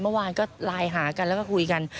เมื่อวานก็ไลน์หากันแล้วก็คุยกัน